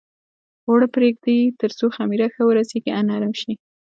اوړه پرېږدي تر څو خمېره ښه ورسېږي او نرم شي.